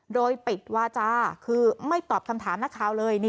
โดยปิดวาจาคือไม่ตอบคำถามนักข่าวเลย